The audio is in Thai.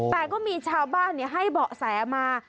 แต่ก็มีชาวบ้านให้เบาะแสมา